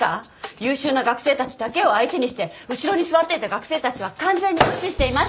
優秀な学生たちだけを相手にして後ろに座っていた学生たちは完全に無視していましたよね？